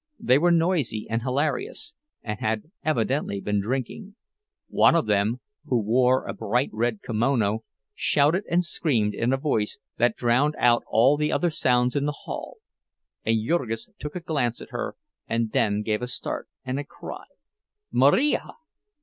They were noisy and hilarious, and had evidently been drinking; one of them, who wore a bright red kimono, shouted and screamed in a voice that drowned out all the other sounds in the hall—and Jurgis took a glance at her, and then gave a start, and a cry, "Marija!"